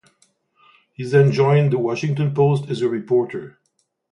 He then joined "The Washington Post" as a reporter.